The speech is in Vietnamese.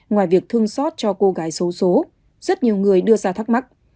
ngoài việc thương xót cho cô gái xấu xố rất nhiều người đưa ra thắc mắc